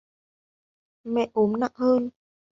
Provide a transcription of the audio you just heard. mẹ ốm nặng hơn